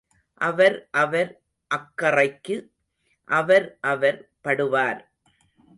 அவர் அவர் அக்கறைக்கு அவர் அவர் படுவார்.